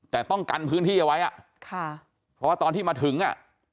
แต่ต้องกันพื้นที่เอาไว้อ่ะค่ะเพราะว่าตอนที่มาถึงอ่ะ